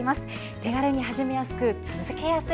手軽に始めやすく、続けやすい。